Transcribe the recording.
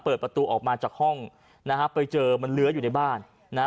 เปิดประตูออกมาจากห้องนะฮะไปเจอมันเลื้ออยู่ในบ้านนะฮะ